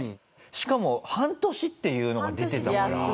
しかも半年っていうのが出てたから。